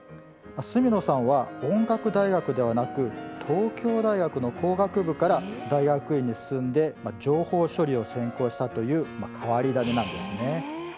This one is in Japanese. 角田さんは音楽大学ではなく東京大学の工学部から大学院に進んで情報処理を専攻したという変わり種なんです。